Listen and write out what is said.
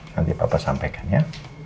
nanti bapak sampaikan ya